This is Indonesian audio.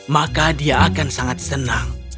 maka dia akan sangat senang